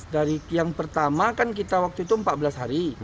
dari yang pertama kan kita waktu itu empat belas hari